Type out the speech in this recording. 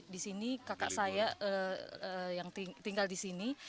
disini kakak saya yang tinggal disini